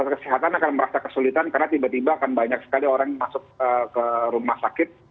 tenaga kesehatan akan merasa kesulitan karena tiba tiba akan banyak sekali orang yang masuk ke rumah sakit